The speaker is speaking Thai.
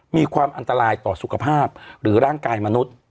มีความอันตรายต่อสุขภาพหรือร่างกายมนุษย์